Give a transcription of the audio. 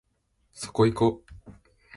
そこいこ